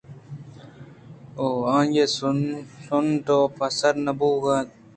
)ءُ آئی ءِ سُنٹ آپ ءَ سر نہ بُوہگ ءَ اَت